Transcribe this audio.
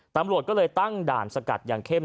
ตำรวจก็เลยตั้งด่านสกัดอย่างเข้ม